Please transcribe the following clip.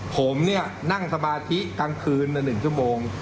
ผมเนี่ยนั่งสมาธิกลางคืน๑ชั่วโมง